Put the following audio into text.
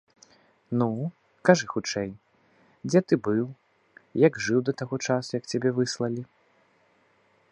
Ну, кажы хутчэй, дзе ты быў, як жыў да таго часу, як цябе выслалі?